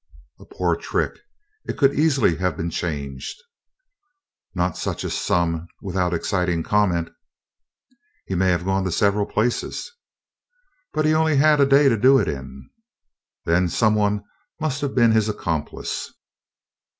"A poor trick; it could easily have been changed." "Not such a sum without exciting comment." "He may have gone to several places." "But he had only a day to do it in." "Then some one must have been his accomplice."